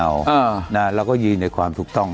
เราก็ยืนในความถูกต้อง